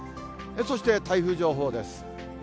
そして台風情報です。